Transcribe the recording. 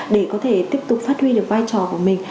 để có thể tiếp tục phát huy được vai trò của mình